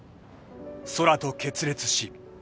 ［空と決裂し］